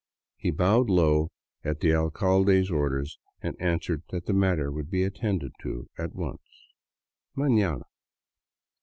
He bowed low at the alcalde's orders and answered that the matter would be attended to at once — mafiana.